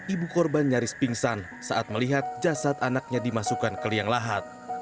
ibu korban nyaris pingsan saat melihat jasad anaknya dimasukkan ke liang lahat